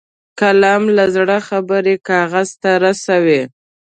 قلم له زړه خبرې کاغذ ته رسوي